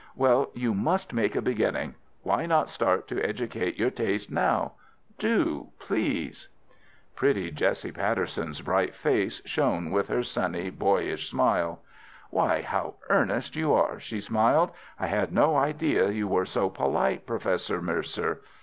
"Well, you must make a beginning. Why not start to educate your taste now? Do, please!" Pretty Jessie Patterson's bright face shone with her sunny, boyish smile. "Why, how earnest you are!" she laughed. "I had no idea you were so polite, Professor Mercer.